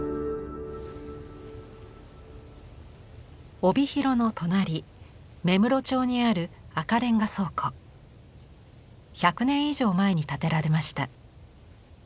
帯広の隣芽室町にある１００年以上前に建てられました。